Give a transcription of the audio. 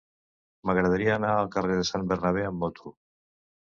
M'agradaria anar al carrer de Sant Bernabé amb moto.